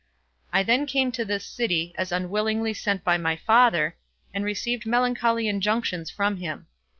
I then came to this city, as unwillingly sent by my father, and received melancholy injunctions from him.